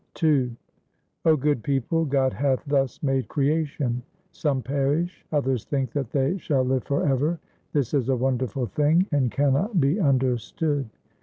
II 0 good people, God hath thus made creation — Some perish, others think that they shall live for ever ; this is a wonderful thing and cannot be understood.